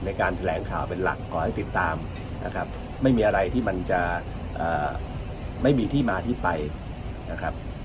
ในการแถลงข่าวเป็นหลักขอให้ติดตามนะครับไม่มีอะไรที่มันจะไม่มีที่มาที่ไปนะครับ